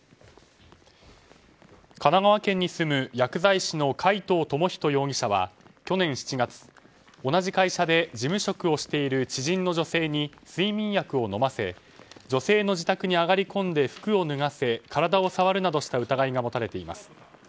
神奈川県に住む薬剤師の海藤智仁容疑者は去年７月同じ会社で事務職をしている知人の女性に睡眠薬を飲ませ女性の自宅に上がり込んで服を脱がせ体を触るなどした疑いが持たれています。